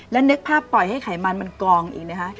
แล้วนึกภาพปล่อยให้ไขมันมันกองอีกนะคะ